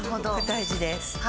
大事です。